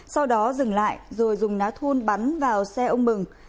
sau đó dừng lại rồi dùng ná thun bắn vào xe ông mừng